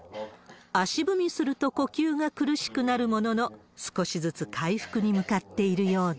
足踏みすると呼吸が苦しくなるものの、少しずつ回復に向かっているようだ。